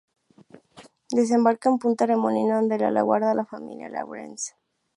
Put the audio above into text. Desembarca en Punta Remolino, donde le aguarda la familia Lawrence.